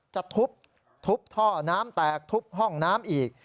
จะทุบทุบท่อน้ำแตกทุบห้องน้ำอีก